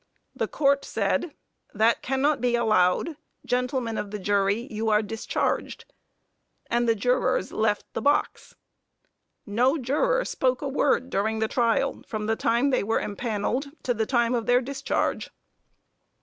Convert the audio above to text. The Court said, "that cannot be allowed. Gentlemen of the jury, you are discharged," and the jurors left the box. No juror spoke a word during the trial, from the time they were impanelled to the time of their discharge.